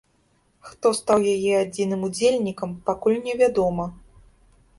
Хто стаў яе адзіным удзельнікам, пакуль не вядома.